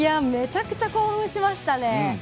めちゃくちゃ興奮しましたね。